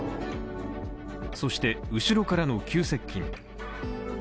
そして後ろからの急接近。